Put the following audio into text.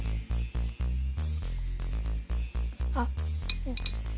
あっうん。